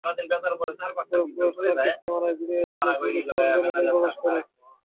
পরে closed circuit ক্যামেরার video থেকে পুলিশ আটজনের ছবি প্রকাশ করে।